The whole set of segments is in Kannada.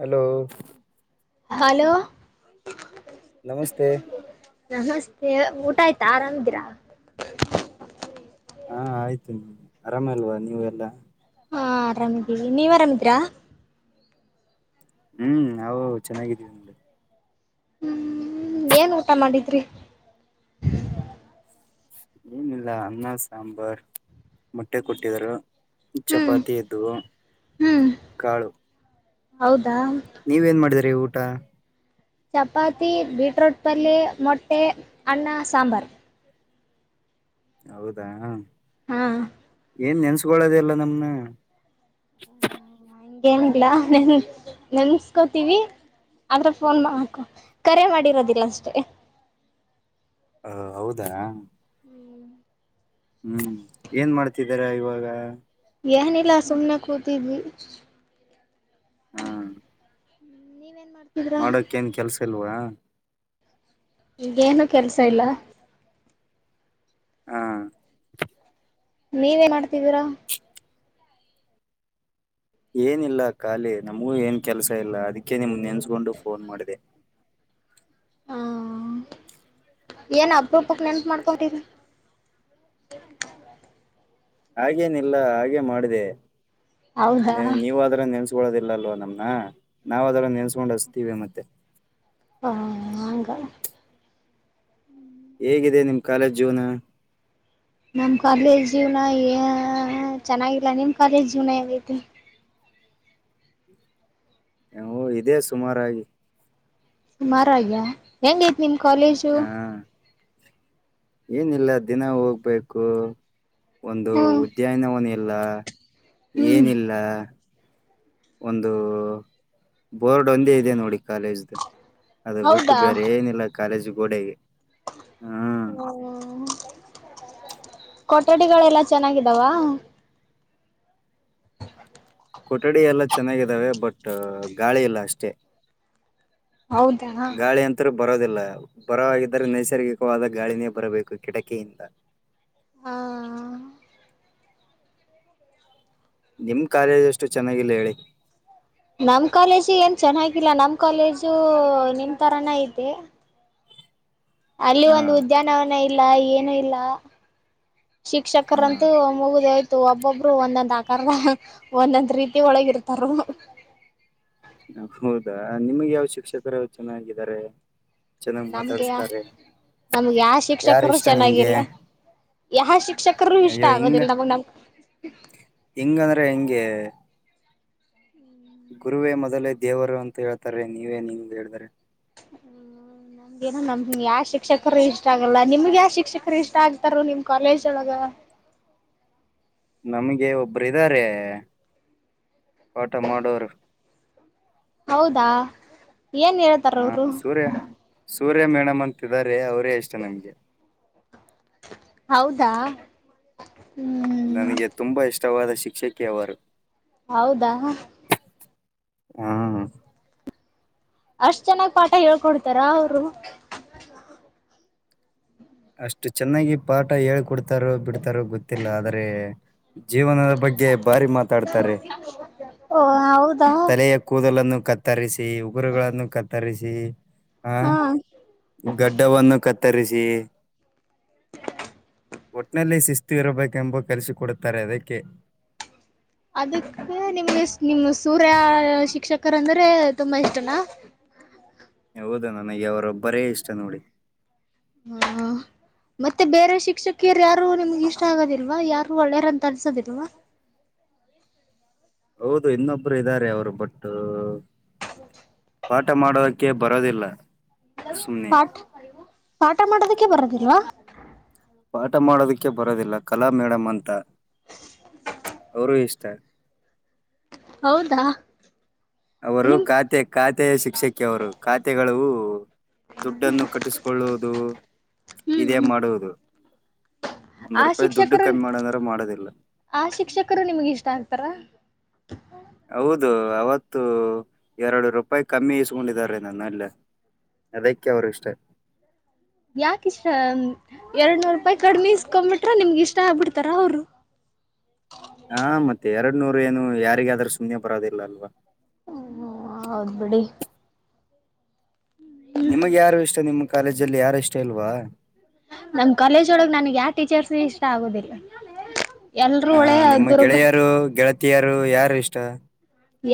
ಹಲೋ ಹಲೋ ನಮಸ್ತೆ ನಮಸ್ತೆ ಊಟ ಆಯ್ತಾ ಆರಾಮ್ದಿರಾ ಹಾ ಆಯ್ತು ಆರಾಮ ಅಲ್ವಾ ನೀವು ಎಲ್ಲಾ ಹಾ ಆರಾಮಿದೀವಿ ನೀವ್ ಆರಾಮಿದರಾ ಹ್ಮ್ ನಾವು ಚೆನ್ನಾಗಿದೀವಿ ಹ್ಮ್ ಏನ್ ಊಟ ಮಾಡಿದ್ರಿ ಏನಿಲ್ಲ ಅನ್ನ ಸಾಂಬಾರ್ ಮೊಟ್ಟೆ ಕೊಟ್ಟಿದರು ಹ್ಮ್ ಚಪಾತಿ ಇದ್ದವು ಹ್ಮ್ ಕಾಳು ಹೌದಾ ನೀವೇನ ಮಾಡಿದ್ರಿ ಊಟ ಚಪಾತಿ ಬೀಟ್ರೊಟ್ ಪಲ್ಲೇ ಮೊಟ್ಟೆ ಅನ್ನ ಸಾಂಬಾರ ಹೌದಾ ಹಾ ಏನ್ ನೆನ್ಸಗೂಳ್ಳದೆ ಇಲ್ಲ ನಮ್ಮನಾ [inaudible] ಏನ್ನಿಲಾ ನೆನ್ ನೆನ್ಸ್ಕೋತೀವಿ ಆದ್ರ ಫೋನ್ ಮಾಡಕು ಕರೆ ಮಾಡಿರೋದಿಲ್ಲ ಅಷ್ಟೇ ಹ ಹೌದಾ ಹ್ಮ್ ಹ್ಮ್ ಏನ್ ಮಾಡ್ತಿದಿರ ಇವಾಗ ಏನಿಲ್ಲ ಸುಮ್ಮ್ನೆ ಕೂತಿದ್ವಿ ಹಾ ನೀವ ಏನ್ ಮಾಡ್ತೀ ಮಾಡೋಕ ಏನ್ ಕೆಲ್ಸ ಇಲ್ವಾ ಈಗೇನು ಕೆಲ್ಸ ಇಲ್ಲ ಹಾ ನೀವೇನ್ ಮಾಡ್ತಿದ್ದೀರಾ ಏನಿಲ್ಲ ಖಾಲಿ ನಮಗೂ ಏನ್ ಕೆಲಸ ಇಲ್ಲ ಅದಕ್ಕೆ ನಿಮ್ ನೆನ್ಸ್ಕೊಂಡು ಫೋನ್ ಮಾಡಿದೆ ಹಾ ಏನ್ ಅಪರೂಪಕ್ ನೆನ್ಪ ಮಾಡ್ಕೊಂಟಿದಿ ಹಾಗೇನಿಲ್ಲ ಹಾಗೆ ಮಾಡಿದೆ ಹೌದಾ ನೀವ ಹ ಅದರ ನೆನ್ಸ್ಕೊಳ್ಳೋದಿಲ್ಲ ಅಲ್ವ ನಮ್ಮನ ನಾವ ಅದರು ನೆನ್ಸ್ಕೊಂಡ ಹಚ್ಚತ್ತೀವಿ ಮತ್ತೆ ಹಾ ಹಂಗ ಹೇಗಿದೆ ನಿಮ್ ಕಾಲೇಜ್ ಜೀವನ ನಮ್ಮ್ ಕಾಲೇಜ್ ಜೀವನ ಎ ಚೆನ್ನಾಗಿಲ್ಲ ನಿಮ್ ಕಾಲೇಜ್ ಜೀವನ ಏಗೈತೆ ಹ್ಮ್ ಇದೇ ಸುಮಾರಾಗಿ ಸುಮಾರಾಗ್ಯ ಹೆಂಗೈತಿ ನಿಮ್ಮ ಕಾಲೇಜ್ ಹಾ ಏನಿಲ್ಲ ದಿನ ಹೋಗ್ಬೇಕು ಒಂದು ಹ್ಮ್ ಉದ್ಯಾನವನ ಇಿಲ್ಲ ಹ್ಮ್ ಏನಿಲ್ಲ ಒಂದು ಬೋರ್ಡ್ ಒಂದೇ ಇದೆ ನೋಡಿ ಕಾಲೇಜ ಅದು ಬಿಟ್ಟು ಹೌದಾ ಬೇರೆ ಏನಿಲ್ಲ ಕಾಲೇಜ್ ಗೋಡೆಗೆ ಹ ಹ್ಮ ಕೊಠಡಿಗಳೆಲ್ಲಾ ಚೆನ್ನಾಗಿದ್ದಾವ [inaudible] ಕೊಠಡಿ ಎಲ್ಲ ಚೆನ್ನಾಗಿದ್ದಾವೆ ಬಟ್ ಗಾಳಿ ಇಲ್ಲ ಅಷ್ಟೇ ಹೌದಾ ಹಾ ಗಾಳಿ ಅಂತ ರ ಬರೋದಿಲ್ಲ ಬರವಾಗಿದ್ದರೆ ನೈಸರ್ಗಿಕವಾದ ಗಾಳಿನೇ ಬರಬೇಕು ಕಿಟಕಿಯಿಂದ ಹ ನಿಮ್ ಕಾರ್ಯದ ಅಷ್ಟು ಚೆನ್ನಾಗಿಲ್ಲ ಹೇಳಿ ನಮ್ ಕಾಲೇಜು ಏನ್ ಚೆನ್ನಾಗಿಲ್ಲ ನಮ್ ಕಾಲೇಜು ನಿಮ್ ತರಾನ ಇದೆ ಅಲ್ಲಿ ಹಾ ಒಂದು ಉದ್ಯಾನವನ ಇಲ್ಲ ಏನು ಇಲ್ಲ ಹಾ ಶಿಕ್ಷಕರಂತೂ ಮುಗುದು ಒಬ್ಬೊಬ್ರು ಒಂದೊಂದ್ ಆಕಾರದ ಒಂದೊಂದ್ ರೀತಿ ಒಳಗಿ ಇರ್ತಾರ ಹೌದಾ ನಿಮಗೆ ಯಾವ್ ಶಿಕ್ಷಕರ ಚೆನ್ನಾಗಿದ್ದಾರೆ ಚೆನ್ನಾಗ್ ನಮ್ಗೆ ಮಾತಾಡಸ್ತಾರೆ ನಮ್ಗೆ ಯಾವ ಶಿಕ್ಷಕರು ಚೆನ್ನಾಗಿಲ್ಲ ಯ ಶಿಕ್ಷಕರ ಇಷ್ಟ ಅಯ್ಯೋ ಆಗೋದಿಲ್ಲ ನ ನಮ ಹೆಂಗಂದ್ರೆ ಹೆಿಂಗೆ ಗುರುವೇ ಮೊದಲೇ ದೇವರು ಅಂತ ಹೇಳ್ತಾರೆ ನೀವೇ ನಿ ಹೇಳ್ರರೆ ನಮ್ಗೇನ ನಮ್ ಯಾವ ಶಿಕ್ಷಕರು ಇಷ್ಟ ಆಗಲ್ಲ ನಿಮ್ಗೆ ಯಾವ ಶಿಕ್ಷಕರು ಇಷ್ಟ ಆಗ್ತಾರ ನಿಮ್ ಕಾಲೇಜ್ ಒಳಗ ನಮ್ಗೆ ಒಬ್ಬರು ಇದ್ದಾರೆ ಪಠ ಮಾಡೋರು ಹೌದಾ ಏನಿರುತ್ತ ಹಾ ಸೂರ್ಯ ಸೂರ್ಯ ಮೇಡಮ್ ಅಂತಾರೆ ಅವರೇ ಇಷ್ಟ ನಮ್ಗೆ ಹೌದಾ ಹ್ಮ್ ನನಗೆ ತುಂಬಾ ಇಷ್ಟವಾದ ಶಿಕ್ಷಕಿಯವರು ಹೌದಾ ಹಾ ಅಷ್ಟ ಚೆನ್ನಾಗ್ ಪಾಠ ಹೇಳ್ಕೊಡ್ತಾರ ಅವರು ಅಷ್ಟು ಚೆನ್ನಾಗಿ ಪಾಠ ಹೇಳ್ಕೊಡ್ತಾರೋ ಬಿಡ್ತಾರೋ ಗೊತ್ತಿಲ್ಲ ಆದ್ರೆ ಜೀವನದ ಬಗ್ಗೆ ಭಾರಿ ಮಾತಾಡ್ತಾರೆ ಓಹ ಹೌದಾ ತಲೆಯ ಕೂದಲನ್ನು ಕತ್ತರಿಸಿ ಉಗುರುಗಳನ್ನು ಕತ್ತರಿಸಿ ಹ ಹಾ ಗಡ್ಡವನ್ನು ಕತ್ತರಿಸಿ [inaudible] ಒಟ್ ನಲ್ಲಿ ಶಿಸ್ತು ಇರಬೇಕೆಂಬ ಕಲಿಸಿಕ ಕೊಡುತ್ತಾರೆ ಅದಕ್ಕೆ ಅದಕ್ಕೆ ನಿಮ್ಗೆ ನಿಮ್ ಸೂರ್ಯ ಶಿಕ್ಷಕರಂದ್ರೆ ತುಂಬಾ ಇಷ್ಟನಾ ಹೌದಾ ನನಗೆ ಅವರೊಬ್ಬರೇ ಇಷ್ಟ ನೋಡಿ ಹ ಮತ್ತೆ ಬೇರೆ ಶಿಕ್ಷಕಿಯರು ಯಾರು ನಿಮ್ಗೆ ಇಷ್ಟ ಆಗೋದಿಲ್ವಾ ಯಾರು ಒಳ್ಳೇರಂತ ಅನ್ಸೋದಿಲ್ವಾ ಹೌದು ಇನ್ನೊಬ್ಬರು ಇದ್ದಾರೆ ಅವರು ಬಟ್ ಪಾಠ ಮಾಡೋದಕ್ಕೆ ಬರೋದಿಲ್ಲ ಸುಮ್ನೆ ಪಾಠ ಪಾಠ ಮಾಡದಕ್ಕೆ ಬರೋದಿಲ್ವಾ ಪಾಠ ಮಾಡೋದಕ್ಕೆ ಬರೋದಿಲ್ಲ ಕಲಾ ಮೇಡಮ್ ಅಂತ ಅವರೂ ಇಷ್ಟ ಹೌದಾ ಅವರು ನಿಮ್ ಖಾತೆ ಖಾತೆಯ ಶಿಕ್ಷಕಿ ಅವರು ಖಾತೆಗಳು ದುಡ್ಡನ್ನು ಕಟ್ಟಿಸ್ಕೊಳ್ಳುವುದು ಹ್ಮ್ ಇದೇ ಹ್ಮ್ ಮಾಡುವುದು ಒಂದ್ ಆ ರೂಪಾಯಿ ದುಡ್ಡು ಶಿಕ್ಷಕರು ಕಮ್ಮಿ ಮಾಡಂದ್ರೆ ಮಾಡೋದಿಲ್ಲ ಆ ಶಿಕ್ಷಕರು ನಿಮ್ಗೆ ಇಷ್ಟ ಆಗ್ತಾರಾ ಹೌದು ಅವತ್ತು ಎರಡು ರೂಪಾಯಿ ಕಮ್ಮಿ ಇಸ್ಕೊಂಡಿದಿದ್ದಾರೆ ನಾನು ಅಲ್ಲ ಅದಕ್ಕೆ ಅವ್ರು ಇಷ್ಟ ಯಾಕ ಇಷ್ಟ ಎರಡ್ ನೂರು ರೂಪಾಯಿ ಕಡಿಮೆ ಇಸ್ಕೊ್ಬಿಟ್ರ ನಿಮ್ಗೆ ಇಷ್ಟ ಆಗ್ಬಿಡ್ತಾರ ಅವ್ರು ಹಾ ಮತ್ತೆ ಎರಡ್ ನೂರ ಏನು ಯಾರಿಗಾದ್ರೂ ಸುಮ್ಮನೆ ಬರೋದಿಲ್ಲ ಅಲ್ವಾ ಹ್ಮ ಹೌದ್ ಬಿಡಿ ನಿಮಗ್ ಯಾರು ಇಷ್ಟ ನಿಮ್ಮ್ ಕಾಲೇಜಲ್ಲಿ ಯಾರು ಇಷ್ಟ ಇಲ್ವಾ ನಮ್ ಕಾಲೇಜ್ ಒಳಗ್ ನನ್ಗ್ ಯಾವ ಟೀಚರ್ಸ್ ಇಷ್ಟ ಆಗೋುದಿಲ್ಲ ಹಾ ನಿಮ್ಮ ಗೆಳೆಯರು ಗೆಳ ಯಾರ ಯಾರ ಇಷ್ಟ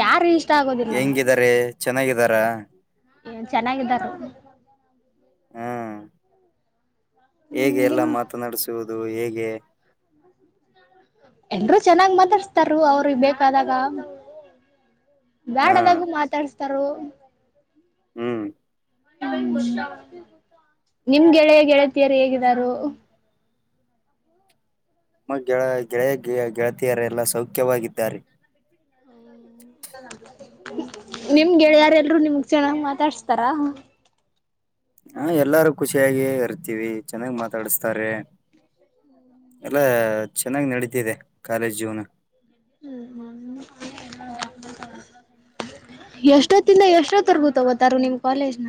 ಯಾರು ಇಷ್ಟ ಆಗೋದಿಲ್ಲ ಹೆಂಗಾರೆ ಚೆನ್ನಾಗಿದಾರಾ ಏ ಚೆನ್ನಾಗಿದ್ದಾರ ಹಾ ಹ್ಮ್ ಹೇಗೆ ಎಲ್ಲ ನಿಮ್ ಮಾತನಾಡಸುವುದು ಹೇಗೆ ಎಲ್ರು ಚೆನ್ನಾಗ್ ಮಾತಾಡ್ಸ್ತಾರ ಅವ್ರಿಗೆ ಬೇಕಾದಾಗ ಹಾ ಬ್ಯಾಡದಾಗು ಮಾತಾಡ್ಸ್ತಾರ ಹ್ಮ್ ನಿಮ್ ಗೆಳೆಯ ಗೆಳತಿಯಾರ ಹೇಗಾರು ಗೆಳ ಗೆಳೆಯ ಗೆಳತಿಯರೆ ಎಲ್ಲಾ ಸೌಖ್ಯವಾಗಿದ್ದಾರೆ ನಿಮ್ ಗೆಳೆಯಾರೆ ಎಲ್ಲರು ನಿಮ್ಗ್ ಚೆನ್ನಾಗ್ ಮಾತಾಡ್ಸ್ತಾರಾ ಹ ಎಲ್ಲಾರು ಖುಷಿಯಾಗಿ ಇರ್ತೀವಿ ಚೆನ್ನಾಗ್ ಮಾತಾಡಸ್ತಾರೆ ಎಲ್ಲ ಚೆನ್ನಾಗಿ್ ನಡತಿದೆ ಕಾಲೇಜ್ ಜೀವನ [inaudible] ಎಷ್ಟೊತ್ತಿಂದ ಎಷ್ಟೊತ್ತವರ್ಗೂ ತಗೋತಾರು ನಿಮ್ ಕಾಲೇಜ್ನ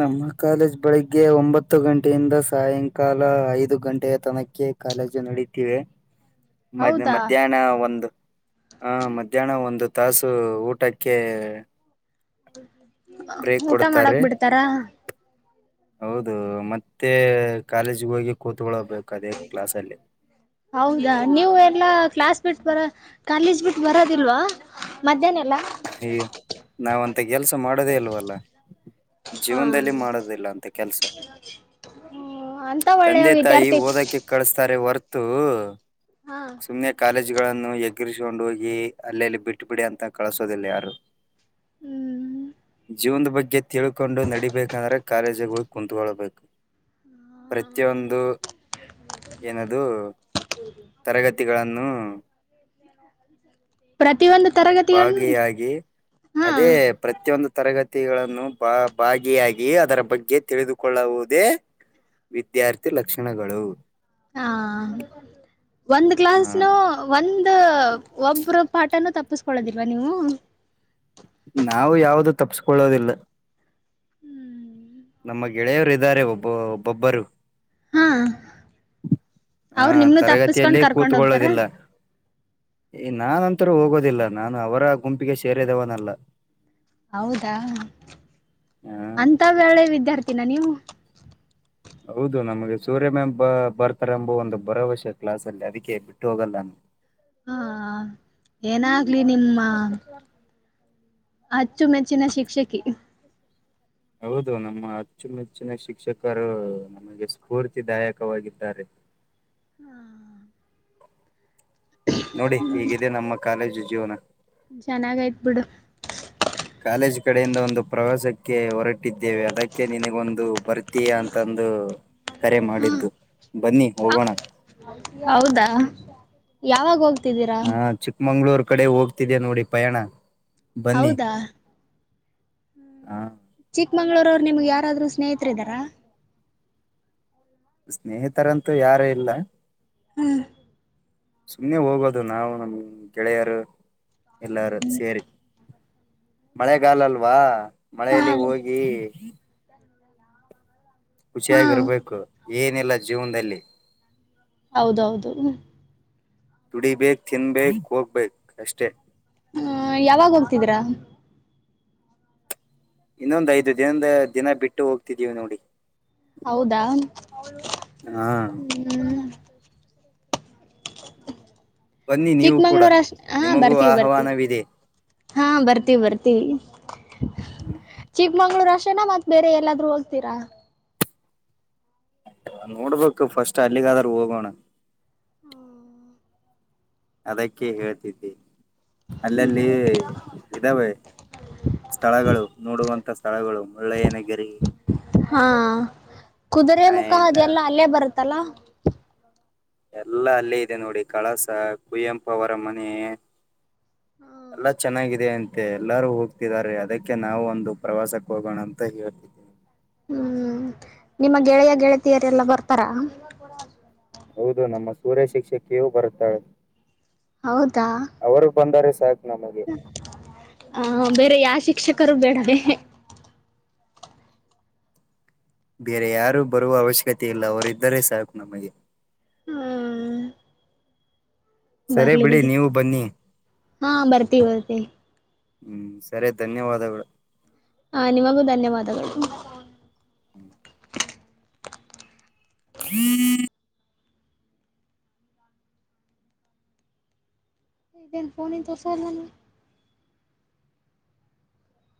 ನಮ್ಮ ಕಾಲೇಜ್ ಬೆಳಗ್ಗೆ ಒಂಬತ್ತು ಗಂಟೆಯಿಂದ ಸಾಯಂಕಾಲ ಐದು ಗಂಟೆಯ ತನಕ್ಕೆ ಕಾಲೇಜು ನಡೀತಿವಿ ಮ ಹೌದಾ ಮಧ್ಯಾಹ್ನ ಒಂದು ಹ ಮಧ್ಯಾಹ್ನ ಒಂದು ತಾಸು ಊಟಕ್ಕೆ ಬ್ರೇಕ್ ಊಟ ಕೊಡ್ತಾರೆ ಮಾಡಕ್ ಬಿಡ್ತಾರ ಹೌದು ಮತ್ತೆ ಕಾಲೇಜ್ಿಗೆ ಹೋಗಿ ಕೂತ್ಕೊಳ್ಳಬೇಕು ಅದೇ ಕ್ಲಾಸಲ್ಲಿ ಹೌದಾ ನೀವು ಎಲ್ಲ ಕ್ಲಾಸ್ ಮೀಟ್ಸ್ ಬರ ಕಾಲೇಜ್ ಬಿಟ್ಟು ಬರೋದಿಲ್ವಾ ಮಧ್ಯಾಹ್ನ ಎಲ್ಲಾ ಅಯ್ಯ ನಾವಂತ ಕೆಲ್ಸ ಮಾಡೋದೇ ಅಲ್ವಲ್ಲ ಜೀವನದಲ್ಲಿ ಹ ಮಾಡದಿಲ್ಲ ಅಂತ ಕೆಲ್ಸ ಹ್ಮ್ ಅಂತ ಒಳ್ಳೆಯ ತಂದೆ ತಾಯಿ ವಿದ್ಯಾರ್ಥಿ ಓದಕ್ಕೆ ಕಳಿಸಸ್ತಾರೆ ಹೊರ್ತು ಹಾ ಸುಮ್ನೆ ಕಾಲೇಜ್ ಗಳನ್ನು ಎಗರಿಸಕೊಂಡು ಹೋಗಿ ಅಲ್ಲಲ್ಲಿ ಬಿಟ್ಟ ಬಿಿಡಿ ಅಂತ ಕಳಸೋದಿಲ್ಲ ಯಾರು ಹ್ಮ್ ಜೀವನದ ಬಗ್ಗೆ ತಿಳ್ಕೊಂಡು ನಡಿೀಬೇಕಂದ್ರೆ ಕಾಲೇಜಿಗೆ ಹೋಗಿ ಕುತ್ಕೊಳ್ಬೇಕು ಪ್ರತಿಯೊಂದು ಏನದು ತರಗತಿಗಳನ್ನು ಪ್ರತಿಯೊಂದು ತರಗತಿ ಭಾಗಿಯಾಗಿ ಹಾ ಅದೇ ಪ್ರತಿಯೊಂದು ತರಗತಿಗಳನ್ನು ಬ ಭಾಗಿಯಾಗಿ ಅದರ ಬಗ್ಗೆ ತಿಳಿದುಕೊಳ್ಳುವುದೇ ವಿದ್ಯಾರ್ಥಿ ಲಕ್ಷಣಗಳು ಹ ಒಂದು ಹಾ ಕ್ಲಾಸ್ನ ಒಂದು ಒಬ್ಬರ ಪಾಠನುೂ ತಪ್ಪಿಸ್ಕೊೊಳ್ಳದಿಲ್ವಾ ನೀವು ನಾವು ಯಾವ್ದ ತಪ್ಪಸ್ಕೊಳ್ಳೋದಿಲ್ಲ ನಮ್ಮ ಗೆಳೆಯರಿದ್ದಾರೆ ಒಬ್ಬೊಬ್ಬರು ಹಾ ಹಾ ಅವ್ರು ನಿಮ್ನು ತಪ್ಪಸ್ಕೊಂಡ್ ತರಗತಿಯಲ್ಲಿ ಕರ್ಕೊಂಡ್ ಹೋಗ್ತಾರ ಕೂತುಕೊಳ್ಳುವುದಿಲ್ಲ ನಾನಂತೂ ಹೋಗುವುದಿಲ್ಲ ನಾನು ಅವರ ಗುಂಪಿಗೆ ಸೇರುವುದನಲ್ಲ ಹೌದಾ ಹಾ ಅಂತ ಒಳ್ಳೆ ವಿದ್ಯಾರ್ಥಿ ನೀವು ಹೌದು ನಮಗೆ ಸೂರ್ಯ ಮ್ಯಾಮ್ ಬ ಬರ್ತಾರೆ ಎಂಬ ಒಂದು ಭರವಸೆ ಕ್ಲಾಸ್ ಅಲ್ಲಿ ಅದಕ್ಕೆ ಬಿಟ್ಟು ಹೋಗಲ್ಲ ಹಾ ಏನಾಗ್ಲಿ ನಿಮ್ಮ ಅಚ್ಚುಮೆಚ್ಚಿನ ಶಿಕ್ಷಕಿ ಹೌದು ನಮ್ಮ ಅಚ್ಚುಮೆಚ್ಚಿನ ಶಿಕ್ಷಕರು ನಮಗೆ ಸ್ಫೂರ್ತಿದಾಯಕವಾಗಿದ್ದಾ ಹಾ ನೋಡಿ ಹೇಗಿದೆ ನಮ್ಮ ಕಾಲೇಜು ಜೀವನ ಚೆನ್ನಾಗ ಐತಿ ಬಿಡು ಕಾಲೇಜ್ ಕಡೆಯಿಂದ ಒಂದು ಪ್ರವಾಸಕ್ಕೆ ಹೊರಟಿದ್ದೇವೆ ಅದಕ್ಕೆ ನಿನಗೊಂದು ಬರ್ತೀಯ ಅಂತಂದು ಕರೆ ಮಾಡಿದ್ದು ಬನ್ನಿ ಹೋಗೋಣ ಹೌದಾ ಯಾವಾಗ ಹೋಗ್ತೀರಾ ಚಿಕ್ಕಮಂಗಳೂರು ಕಡೆ ಹೋಗ್ತಾ ಇದೆ ನೋಡಿ ಪಯಣ ಬನ್ನಿ ಹೌದಾ ಆ ಚಿಕ್ಕಮಂಗಳೂರಾರು ಯಾರು ನಿಮಗೆ ಸ್ನೇಹಿತದ್ದಾರಾ ಲ್ಲ ಸ್ನೇಹಿತರಂತೆ ಯಾರು ಇಲ್ಲ ಹ್ಮ್ ಸುಮ್ನೆ ಹೋಗಿ ಬರುವುದು ನಾವು ನಮ್ ಗೆಳೆಯರು ಎಲ್ಲರೂ ಸೇರಿ ಮಳೆಗಾಲ ಅಲ್ವಾ ಹಾ ಮಳೆಯಲ್ಲಿ ಹೋಗಿ ಹ್ಮ ಹಾ ಖುಷಿಯಾಗಿರಬೇಕು ಏನಿಲ್ಲ ಜೀವನದಲ್ಲಿ ಹೌದೌದು ಕುಡಿಬೇಕ್ ತಿನ್ನಬೇಕು ಹೋಗ್ಬೇಕು ಅಷ್ಟೇ ಹ ಯಾವಾಗ ಹೋಗ್ತಿದ್ದೀರಾ ಇನ್ನೊಂದು ಐದು ದಿನ ಬಿಟ್ಟು ಹೋಗ್ತಿದೀವಿ ನೋಡಿ ಹೌದಾ ಹ್ಮ ಹಾ ಬನ್ನಿ ನೀವು ಕೂಡ ಚಿಕ್ಕಮಂಗಳೂರು ಅಷ್ಟೇನಾ ನಿಮಗೂ ಬರ್ತೀನಿ ಬರ್ತೀವಿ ಆಹ್ವಾನವಿದೆ ಹಾ ಬರ್ತೀವಿ ಬರ್ತೀವಿ ಚಿಕ್ಕಮಂಗಳೂರು ಅಷ್ಟೇನಾ ಮತ್ತೆ ಬೇರೆ ಎಲ್ಲಾದ್ರೂ ಹೋಗ್ತೀರಾ ನೋಡಬೇಕು ಫಸ್ಟು ಅಲ್ಲಿಗಾದರೂ ಹೋಗೋಣ ಅದಕ್ಕೆ ಹೇಳ್ತಿದ್ದಿ ಸ್ಥಳಗಳು ಅಲ್ಲಲ್ಲೇ ಇದ್ದಾವೆ ನೋಡುವಂತ ಸ್ಥಳಗಳು ಮುಳ್ಳಯ್ಯನಗಿರಿ ಹಾ ಅಂಡ್ ಕುದುರೆಮುಖದಲ್ಲಿ ಬರುತ್ತದೆ ಎಲ್ಲಾ ಅಲ್ಲೇ ಇದೆ ನೋಡಿ ಕಳಸ ಕುವೆಂಪ ಅವರ ಮನೆ ಎಲ್ಲ ಚೆನ್ನಾಗಿದೆ ಅಂತೆ ಎಲ್ಲಾರೂ ಹೋಗ್ತಿದಿದ್ದಾರೆ ಅದಕ್ಕೆ ನಾವು ಒಂದು ಪ್ರವಾಸಕ್ಕೆ ಹೋಗೋಣ ಅಂತ ಹೇಳ್ತಿದ್ದವಿ ಹ್ಮ್ ನಿಮ್ಮ ಗೆಳೆಯ ಗೆಳತಿಯರು ಎಲ್ಲರೂ ಬರ್ತಾರಾ ಹೌದು ನಮ್ಮ ಸೂರ್ಯ ಶಿಕ್ಷಕಿಯೂ ಬರುತ್ತಾಳೆ ಹೌದಾ ಅವರು ಬಂದರೆ ಸಾಕು ನಮಗೆ ಹ ಬೇರೆ ಯಾರ್ ಶಿಕ್ಷಕರು ಬೇಡವೇ ಬೇರೆ ಯಾರೂ ಬರೋದು ಅವಶ್ಯಕತೆ ಇಲ್ಲ ಅವರು ಒಬ್ಬರೇ ಇದ್ರೆ ಸಾಕು ನಮಗೆ ಹ್ಮ ಸರಿ ಬಿಡಿ ನೀವು ಬನ್ನಿ ಹಾ ಬರ್ತೀವಿ ಬರ್ತೀವಿ ಹ್ಮ್ ಸರಿ ಧನ್ಯವಾದಗಳು ಹಾ ನಿಮಗೂ ಧನ್ಯವಾದಗಳು ಹ್ಮ್ [inaudible] ಹ್ಮ್ [unintelligible] ಇದೇನ ಫೊನೆನ್ ತೋರ್ಸವಲ್ದಲ್ಲ [inaudible]